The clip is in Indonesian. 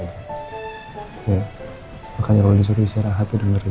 makanya kalau disuruh istirahat udah ngeri